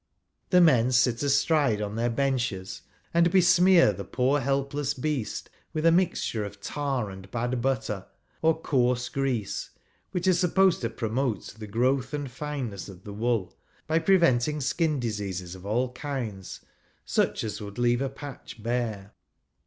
The men sit astride on their i benches and besmear' the poor helpless beast with a mixture of tar and bad butter, or coarse grease, which is supposed to promote the growth and fineness of the wool, by pre¬ venting skin diseases of all kinds, such as , would leave a patch bare.